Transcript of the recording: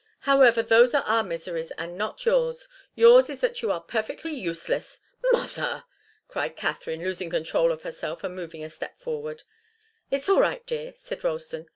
However, those are our miseries and not yours. Yours is that you are perfectly useless " "Mother!" cried Katharine, losing control of herself and moving a step forward. "It's all right, dear," said Ralston.